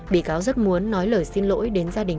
bị cáo rất muốn nói lời xin lỗi đến gia đình